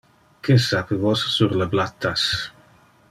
Que sape vos sur le blattas?